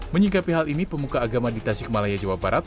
menyikapi hal ini pemuka agama di tasik malaya jawa barat